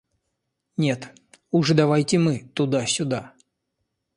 Нет, уж давайте мы туда-сюда.